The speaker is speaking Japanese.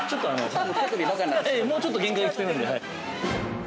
もう、ちょっと限界来てるんで。